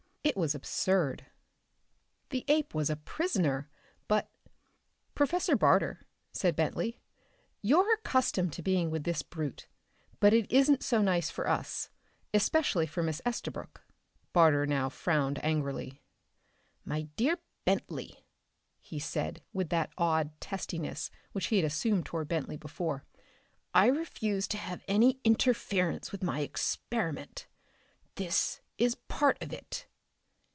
It was absurd. The ape was a prisoner. But.... "Professor Barter," said Bentley, "you're accustomed to being with this brute, but it isn't so nice for us, especially for Miss Estabrook." Barter now frowned angrily. "My dear Bentley," he said with that odd testiness which he had assumed toward Bentley before, "I refuse to have any interference with my experiment. This is part of it."